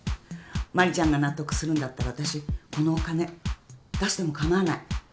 真理ちゃんが納得するんだったら私このお金出してもかまわない。